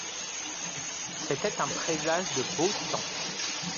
C’était un présage de beau temps.